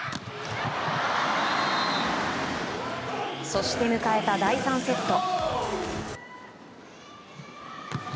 そして、迎えた第３セット。